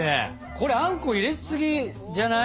これあんこ入れすぎじゃない？